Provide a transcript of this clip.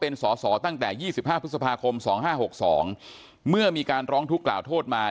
เป็นสอสอตั้งแต่๒๕พฤษภาคม๒๕๖๒เมื่อมีการร้องทุกข์กล่าวโทษมา